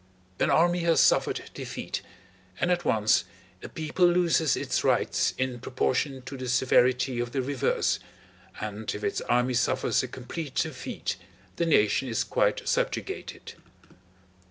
An army has suffered defeat, and at once a people loses its rights in proportion to the severity of the reverse, and if its army suffers a complete defeat the nation is quite subjugated.